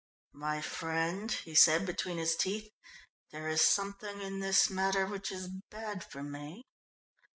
"My friend," he said between his teeth, "there is something in this matter which is bad for me."